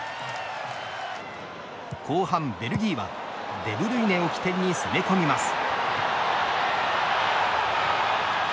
後半、ベルギーはデブルイネを起点に攻め込みます。